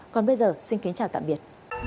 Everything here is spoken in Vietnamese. còn bây giờ xin kính chào tạm biệt